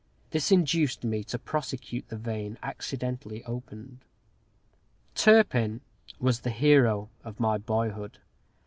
This induced me to prosecute the vein accidentally opened. Turpin was the hero of my boyhood.